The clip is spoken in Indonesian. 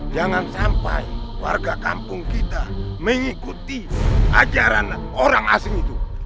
jangan sampai warga kampung kita mengikuti ajaran orang asing itu